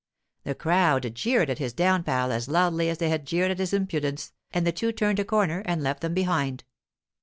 The crowd jeered at his downfall as loudly as they had jeered at his impudence, and the two turned a corner and left them behind.